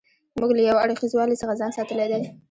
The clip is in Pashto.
موږ له یو اړخیزوالي څخه ځان ساتلی دی.